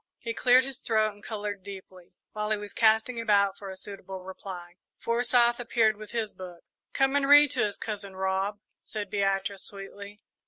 He cleared his throat and coloured deeply. While he was casting about for a suitable reply, Forsyth appeared with his book. "Come and read to us, Cousin Rob," said Beatrice, sweetly.